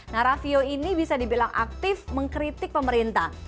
nah rafio ini bisa dibilang aktif mengkritik pemerintah